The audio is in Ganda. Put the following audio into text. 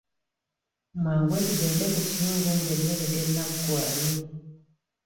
Mwanguwe tugende ku kiyungu nga emmere tennaggwayo.